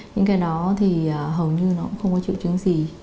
những cái đó thì hầu như nó cũng không có triệu chứng gì